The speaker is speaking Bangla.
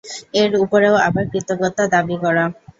এর উপরেও আবার কৃতজ্ঞতা দাবি করা!